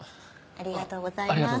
ありがとうございます。